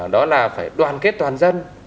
đó là phải đoàn kết toàn dân